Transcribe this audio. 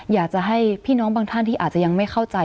อยากจะให้พี่น้องบางท่านที่อาจจะยังไม่เข้าใจ